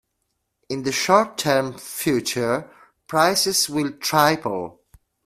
In the short term future, prices will triple.